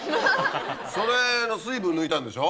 それの水分抜いたんでしょ？